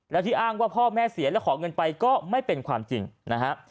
แล้วที่อ้างว่าพ่อแม่เสียแล้วขอเงินไปก็ไม่เป็นความจริงนะฮะ